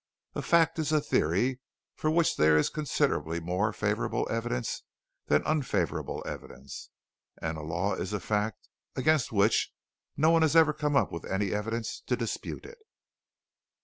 A fact is a theory for which there is considerably more favorable evidence than unfavorable evidence, and a law is a fact against which no one has ever come up with any evidence to dispute it."